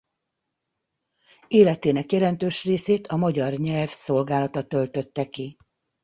Életének jelentős részét a magyar nyelv szolgálata töltötte ki.